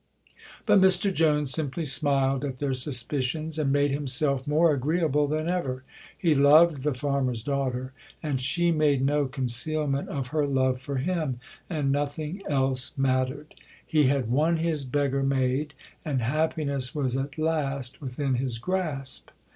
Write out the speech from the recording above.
But Mr Jones simply smiled at their suspicions, and made himself more agreeable than ever. He loved the farmer's daughter, and she made no concealment of her love for him, and nothing else mattered. He had won his "beggar maid," and happiness was at last within his grasp.